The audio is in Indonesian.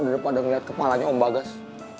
daripada ngelihat kepalanya om bagas